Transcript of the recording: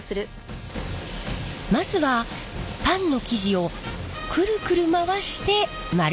まずはパンの生地をくるくる回して丸めます。